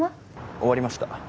終わりました